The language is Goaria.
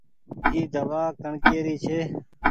اي دوآ ڪڻڪي ري ڇي۔